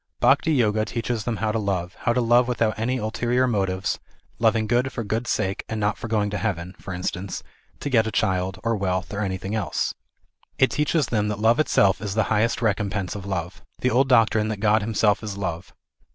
Bhakti Yoga teaches them how to love, how to love without any ulterior motives, loving good for good's sake, and not for going to heaven, for instance, to get a child, or wealth, or anything else. It teaches them that love itself is the highest recompense of love. The old doc trine that God himself is love.